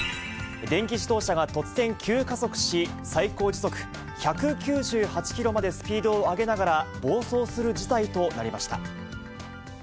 電気自動車が突然、急加速し、最高時速１９８キロまでスピードを上げながら暴走する事態となりました。